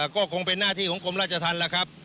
ก็คงเป็นหน้าที่ของกรมราชธรรมแล้วครับ